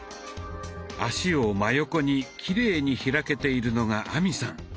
脚を真横にきれいに開けているのが亜美さん。